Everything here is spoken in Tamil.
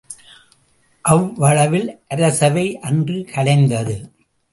அவ்வளவில் அரசவை அன்று கலைந்தது.